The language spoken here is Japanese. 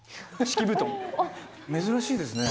珍しいですね。